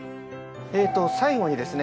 最後にですね